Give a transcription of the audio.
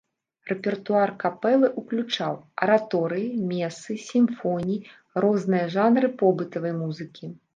Рэпертуар капэлы ўключаў араторыі, месы, сімфоніі, розныя жанры побытавай музыкі.